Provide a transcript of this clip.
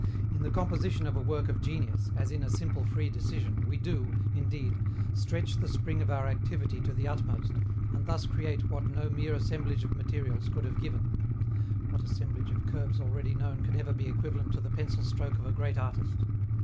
In the composition of a work of genius, as in a simple free decision, we do, indeed, stretch the spring of our activity to the utmost and thus create what no mere assemblage of materials could have given (what assemblage of curves already known can ever be equivalent to the pencil stroke of a great artist?)